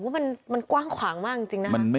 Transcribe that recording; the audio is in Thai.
มันกว้างขวางมากจริงนะครับ